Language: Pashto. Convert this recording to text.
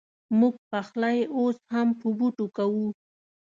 مونږ پخلی اوس هم په بوټو کوو